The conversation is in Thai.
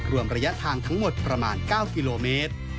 รวมระยะทางทั้งหมดประมาณ๙กิโลเมตร